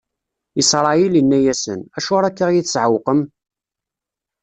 Isṛayil inna-asen: Acuɣer akka i yi-tesɛewqem?